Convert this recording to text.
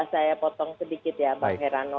saya potong sedikit ya bang herano